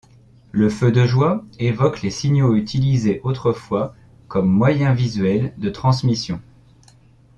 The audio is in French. Le feu de joie évoque les signaux utilisés autrefois comme moyen visuel de transmission.